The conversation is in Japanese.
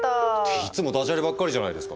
いつもダジャレばっかりじゃないですか。